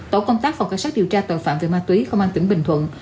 tổ công tác phòng cảnh sát điều tra tội phạm về ma túy công an tỉnh bình thuận